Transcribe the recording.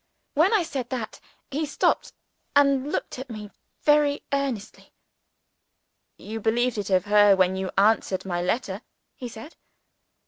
When I said that, he stopped, and looked at me very earnestly. "You believed it of her, when you answered my letter," he said.